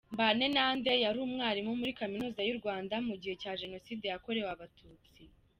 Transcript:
Mbanenande yari umwarimu muri Kaminuza y’u Rwanda mu gihe cya Jenoside yakorewe Abatutsi.